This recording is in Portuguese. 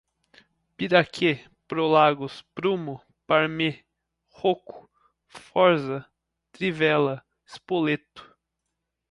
Piraquê, Prolagos, Prumo, Parmê, Rocco, Forza, Trivella, Spoleto